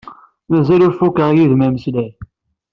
Mazal ur fukkeɣ yid-m ameslay.